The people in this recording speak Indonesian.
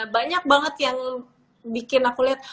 banyak banget yang bikin aku lihat